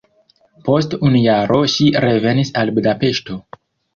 Post unu jaro ŝi revenis al Budapeŝto.